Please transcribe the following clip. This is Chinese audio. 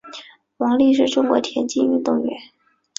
王丽是中国田径运动员。